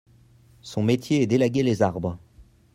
Son métier est d'élaguer les arbres.